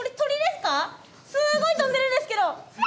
すごい飛んでるんですけど。